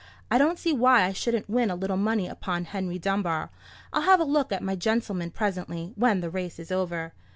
I don't see why I shouldn't win a little money upon Henry Dunbar. I'll have a look at my gentleman presently, when the race is over."